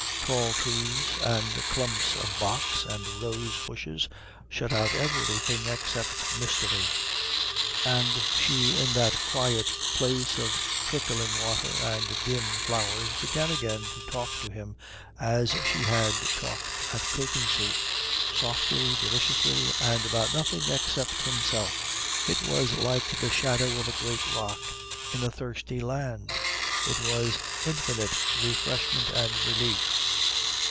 Tall trees, and clumps of box, and rose bushes shut out everything except mystery; and she in that quiet place of trickling water and dim flowers began again to talk to him as she had talked at Kökensee, softly, deliciously, about nothing except himself. It was like the shadow of a great rock in a thirsty land; it was infinite refreshment and relief.